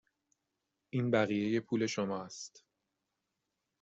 این بقیه پول شما است.